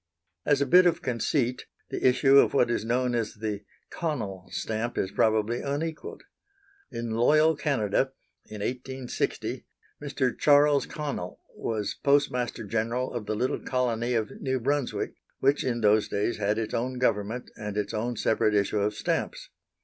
As a bit of conceit, the issue of what is known as the Connell stamp is probably unequalled. In loyal Canada, in 1860, Mr. Charles Connell was Postmaster General of the little colony of New Brunswick, which in those days had its own government and its own separate issue of stamps.